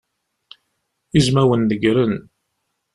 Izmawen negren.